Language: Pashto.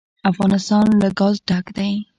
افغانستان له ګاز ډک دی.